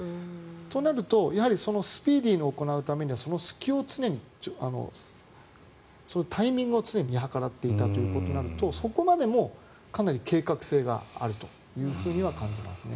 となると、やはりスピーディーに行うためにはその隙をタイミングを常に見計らっていたということとそこまでもかなり計画性があるとは感じますね。